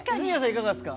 いかがですか？